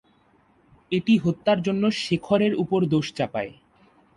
এটি হত্যার জন্য শেখরের উপর দোষ চাপায়।